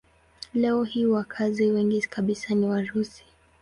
Leo hii wakazi wengi kabisa ni Warusi.